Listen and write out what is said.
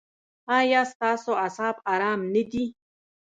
ایا ستاسو اعصاب ارام نه دي؟